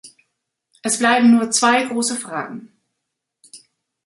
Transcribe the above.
Es bleiben nur zwei große Fragen.